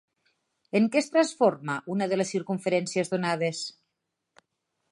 En què es transforma una de les circumferències donades?